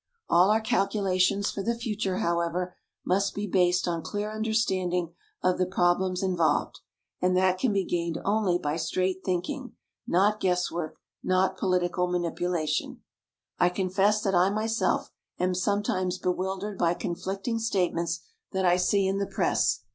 All our calculations for the future, however, must be based on clear understanding of the problems involved. And that can be gained only by straight thinking not guesswork, not political manipulation. I confess that I myself am sometimes bewildered by conflicting statements that I see in the press.